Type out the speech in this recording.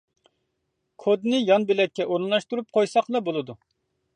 كودنى يان بۆلەككە ئورۇنلاشتۇرۇپ قويساقلا بولىدۇ.